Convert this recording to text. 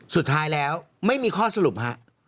สุดท้ายแล้วไม่มีข้อสรุปฮะ